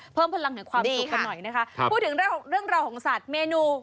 เพิ่มผลังในความสุขกันหน่อยนะคะพูดถึงเรื่องราวของสัตว์เมนูเลยค่ะ